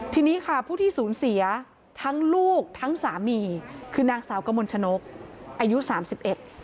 ทีนี้ค่ะผู้ที่สูญเสียทั้งลูกทั้งสามีคือนางสาวกมลชนกอายุสามสิบเอ็ด